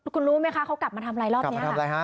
คุณรู้ไหมคะเขากลับมาทำอะไรรอบนี้